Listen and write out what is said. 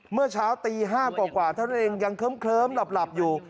เมื่อเช้าตี๕กว่าเท่านั้นเองยังเคลิ้มหลับอยู่